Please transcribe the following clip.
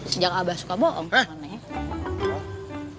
sejak abah suka bohong